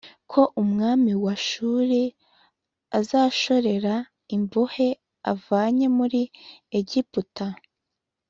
ko umwami wa Ashuri azashorera imbohe avanye muri Egiputa